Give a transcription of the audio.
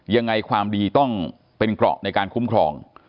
ยังไงความดีต้องเป็นเกราะในการคุ้มครอง